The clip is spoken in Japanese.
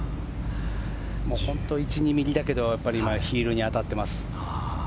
本当に１２ｍｍだけどヒールに当たってます。